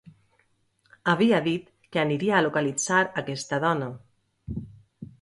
Havia dit que aniria a localitzar aquesta dona.